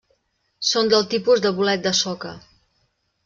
Són del tipus de bolet de soca.